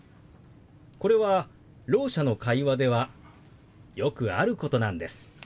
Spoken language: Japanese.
これはろう者の会話ではよくあることなんです。